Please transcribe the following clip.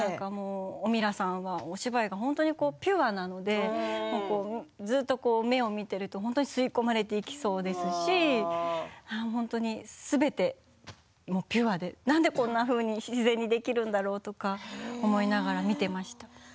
オミラさんはお芝居がピュアで目を見ていると吸い込まれていきそうですしすべてピュアで何でこんなふうに自然にできるんだろうと見ていました。